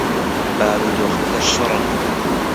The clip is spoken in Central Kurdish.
بارودۆخەکە شڕە.